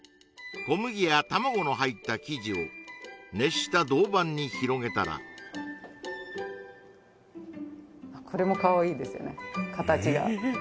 小麦や卵の入った生地を熱した銅板に広げたらこれもかわいいですよね